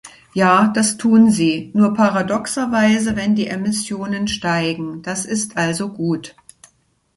Ja, das tun sie, nur paradoxerweise, wenn die Emissionen steigen, das ist also gut.